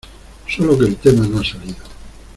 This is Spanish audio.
solo que el tema no ha salido.